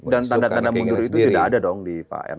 dan tanda tanda mundur itu tidak ada dong di